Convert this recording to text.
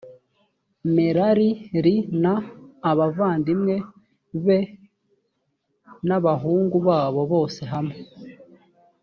merari r n abavandimwe be n abahungu babo bose hamwe